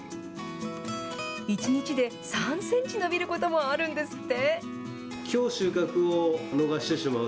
１日で３センチ伸びることもあるんですって。